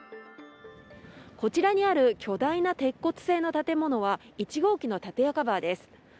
こちらにある巨大な鉄骨製の建物は１号機の建屋カバーです。